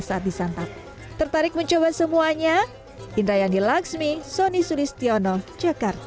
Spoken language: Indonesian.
saat disantap tertarik mencoba semuanya indra yandi laksmi soni sulistiono jakarta